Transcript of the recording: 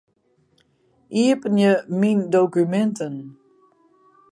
Iepenje Myn dokuminten.